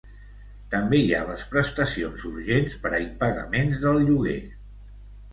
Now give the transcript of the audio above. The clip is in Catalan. També hi ha les prestacions urgents per a impagaments del lloguer.